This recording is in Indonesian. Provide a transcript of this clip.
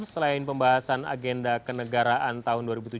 selain pembahasan agenda kenegaraan tahun dua ribu tujuh belas